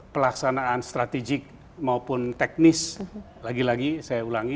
pelaksanaan strategik maupun teknis lagi lagi saya ulangi